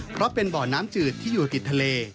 เพราะเป็นบ่อน้ำจืดที่อยู่ติดทะเล